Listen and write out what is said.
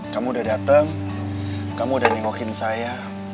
kamu udah dateng kamu udah nengokin saya